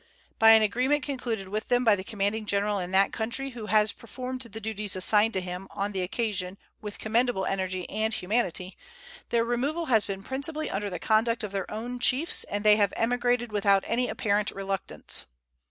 By an agreement concluded with them by the commanding general in that country, who has performed the duties assigned to him on the occasion with commendable energy and humanity, their removal has been principally under the conduct of their own chiefs, and they have emigrated without any apparent reluctance.